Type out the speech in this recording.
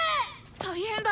大変だ！